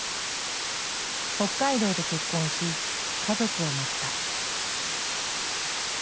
北海道で結婚し家族を持った。